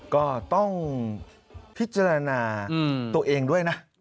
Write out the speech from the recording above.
ก็ต้องพิจารณาตัวเองด้วยนะ